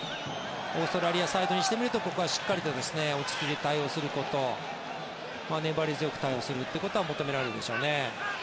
オーストラリアサイドにしてみるとここはしっかりと落ち着いて対応すること粘り強く対応するってことは求められるでしょうね。